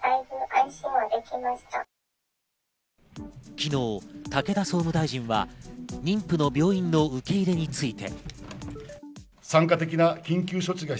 昨日、武田総務大臣は妊婦の病院の受け入れについて。